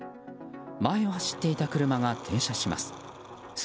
前を走っていた車が停車します。